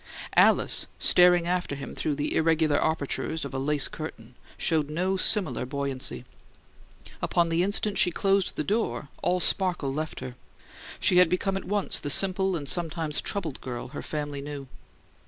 Alice, staring after him through the irregular apertures of a lace curtain, showed no similar buoyancy. Upon the instant she closed the door all sparkle left her: she had become at once the simple and sometimes troubled girl her family knew.